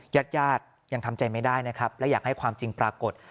ญาติญาติยังทำใจไม่ได้นะครับและอยากให้ความจริงปรากฏ